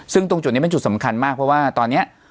ซึ่งตรงจุดนี้เป็นจุดสำคัญมากเพราะว่าตอนนี้